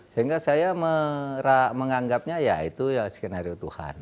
sehingga saya menganggapnya ya itu ya skenario tuhan